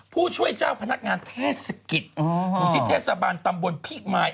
ผู้ช่วยเจ้าพนักงานเทศกิจอยู่ที่เทศบาลตำบลพิมาย